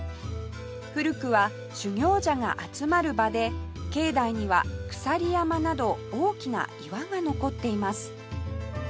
古くは修行者が集まる場で境内にはくさり山など大きな岩が残っています